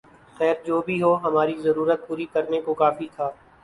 خیر جو بھی ہو ہماری ضرورت پوری کرنے کو کافی تھا